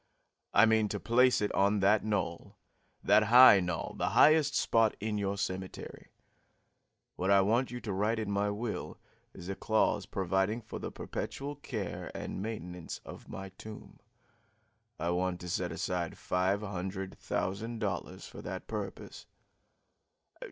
I mean to place it on that knoll that high knoll the highest spot in your cemetery. What I want you to write into my will is a clause providing for the perpetual care and maintenance of my tomb. I want to set aside five hundred thousand dollars for that purpose."